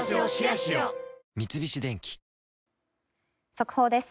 速報です。